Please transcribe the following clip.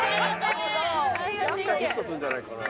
ヒットするんじゃないかな。